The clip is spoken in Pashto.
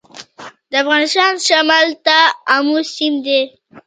د افغانستان شمال ته امو سیند دی